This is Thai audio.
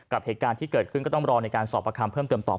เหตุการณ์ที่เกิดขึ้นก็ต้องรอในการสอบประคำเพิ่มเติมต่อไป